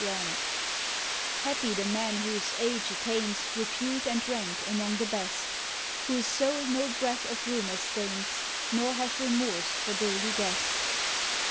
RAND Happy the man whose age attains Repute and rank among the best! Whose soul no breath of rumor stains Nor hath remorse for daily guest.